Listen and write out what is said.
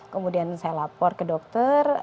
kemudian saya lapor ke dokter